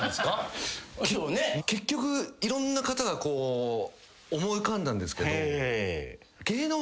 結局いろんな方がこう思い浮かんだんですけど。